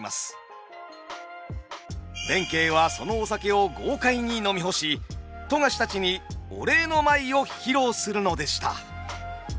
弁慶はそのお酒を豪快に飲み干し富樫たちにお礼の舞を披露するのでした。